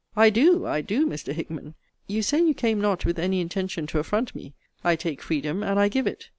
I do, I do, Mr. Hickman. You say you came not with any intention to affront me. I take freedom, and I give it.